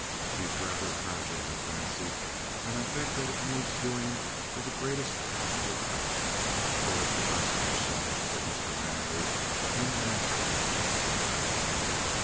She's rather fragile, I fancy. And I think that it needs doing with the greatest possible tact so as to lessen the shock," said Mr. Manley in an impressive voice.